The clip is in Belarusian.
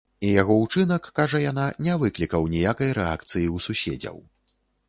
І яго ўчынак, кажа яна, не выклікаў ніякай рэакцыі ў суседзяў.